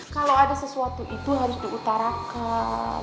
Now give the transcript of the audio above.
kalau ada sesuatu itu harus diutarakan